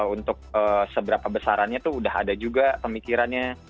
untuk seberapa besarannya tuh udah ada juga pemikirannya